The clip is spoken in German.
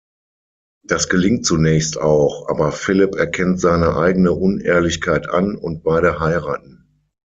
Das gelingt zunächst auch, aber Philip erkennt seine eigene Unehrlichkeit an und beide heiraten.